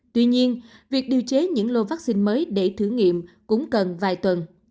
tuy nhiên việc điều chế những lô vaccine mới để thử nghiệm cũng cần vài tuần